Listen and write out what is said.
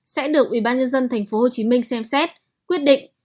sẽ được ubnd tp hcm xem xét quyết định